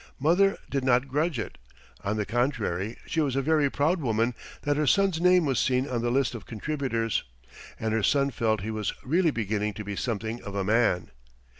Mother did not grudge it; on the contrary, she was a very proud woman that her son's name was seen on the list of contributors, and her son felt he was really beginning to be something of a man.